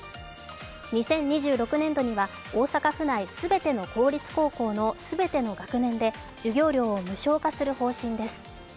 ２０２６年度には大阪府内全ての公立高校の全ての学年で授業料を無償化する方針です。